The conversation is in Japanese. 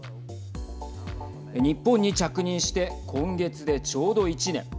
日本に着任して今月でちょうど１年。